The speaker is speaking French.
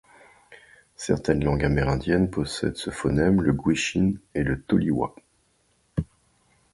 Certaines langues amérindiennes possèdent ce phonème, comme le gwich’in et le toliwa.